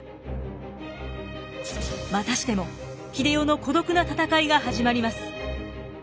またしても英世の孤独な闘いが始まります。